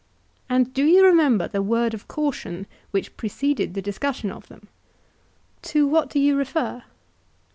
And do you remember the word of caution which preceded the discussion of them? To what do you refer?